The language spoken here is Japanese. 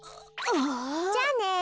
じゃあね。